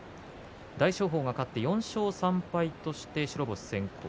大翔鵬が勝って４勝３敗として白星先行。